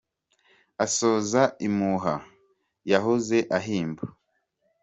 Asoza impuha yahoze ahimba;